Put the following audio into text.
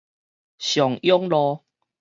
松勇路